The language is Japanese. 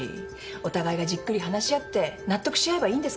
お互いがじっくり話し合って納得しあえばいいんですから。